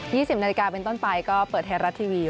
๒๐นาทีการเป็นต้นไปก็เปิดเทราะตีวี